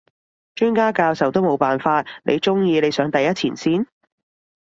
專家教授都冇辦法，你中意你上第一前線？